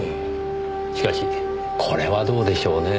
しかしこれはどうでしょうねぇ。